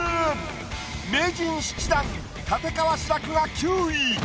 名人７段立川志らくが９位。